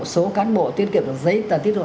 số cán bộ tiết kiệm được giấy tờ tiết hộ